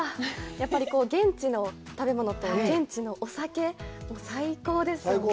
やっぱり現地の食べ物と、現地のお酒、最高ですよね。